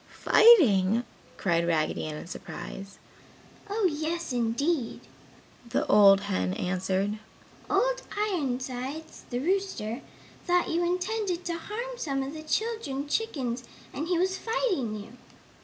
"Fighting!" cried Raggedy Ann in surprise. "Oh yes, indeed!" the old hen answered, "Old Ironsides, the rooster, thought you intended to harm some of the children chickens and he was fighting you!"